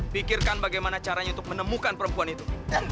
pikirkan bagaimana caranya untuk menemukan perempuan itu